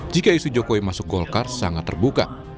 jika isu jokowi masuk golkar sangat terbuka